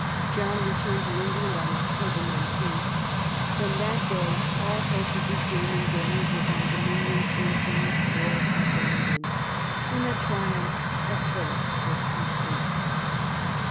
John returned to England on October 19. From that day all hope of regaining the Angevin dominions in France was abandoned, and the triumph of Philip was complete.